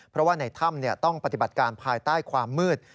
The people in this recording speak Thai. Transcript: เพราะว่าในถ้ำต้องปฏิบัติการภายใต้ความมืด